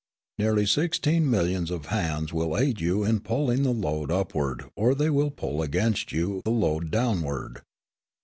"Nearly sixteen millions of hands will aid you in pulling the load upward or they will pull against you the load downward.